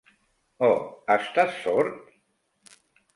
O estàs sord?